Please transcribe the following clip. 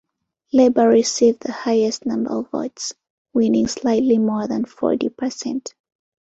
Labour received the highest number of votes, winning slightly more than forty percent.